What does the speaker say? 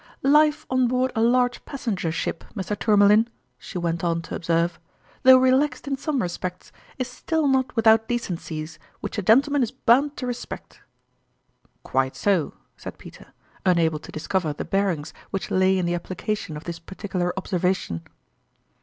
" Life on board a large passenger ship, Mr. Tourmalin," she went on to observe, " though relaxed in some respects, is still not without decencies which a gentleman is bound to re spect." " Quite so," said Peter, unable to discover the bearings which lay in the application of this particular observation.